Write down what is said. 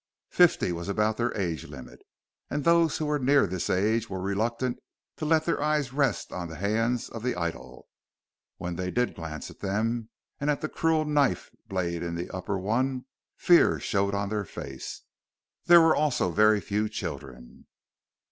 Fifty was about their age limit and those who were near this age were reluctant to let their eyes rest on the hands of the idol. When they did glance at them, and at the cruel knife blade in the upper one, fear showed on their faces. There were also very few children....